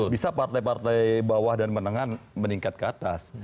bisa partai partai bawah dan menengah meningkat ke atas